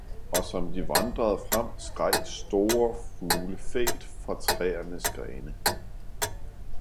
Og som de vandrede frem, skreg store fugle fælt fra træernes grene.